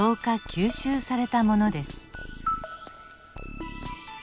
・吸収されたものです。